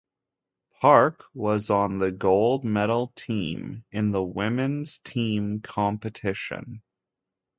Park was on the gold medal team in the women's team competition.